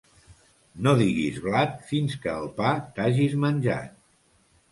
No diguis blat fins que el pa t'hagis menjat.